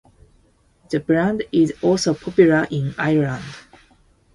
The brand is also popular in Ireland.